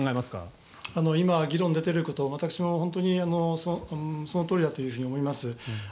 今、議論が出ていること私も本当にそのとおりだと思います。